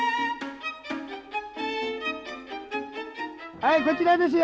はいこちらですよ！